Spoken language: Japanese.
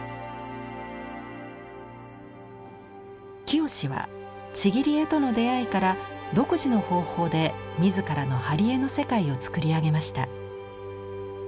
清はちぎり絵との出会いから独自の方法で自らの貼絵の世界を作り上げました。